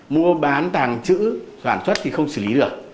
mua bán tàng trữ soạn xuất thì không xử lý được